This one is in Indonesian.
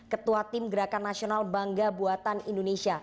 ketua tim gerakan nasional bangga buatan indonesia